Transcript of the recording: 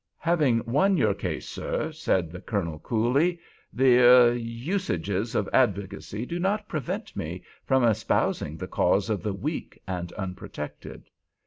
"Having won your case, sir," said the Colonel, coolly, "the—er—usages of advocacy do not prevent me from espousing the cause of the weak and unprotected."